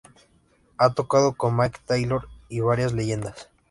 Ha tocado con Mick Taylor y varias leyendas más.